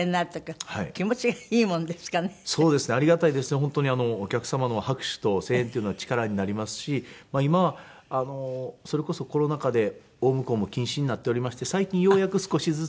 本当にお客様の拍手と声援っていうのは力になりますし今それこそコロナ禍で大向こうも禁止になっておりまして最近ようやく少しずつ。